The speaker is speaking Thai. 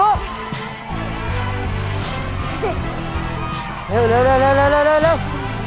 เร็วเร็วเร็วเร็ว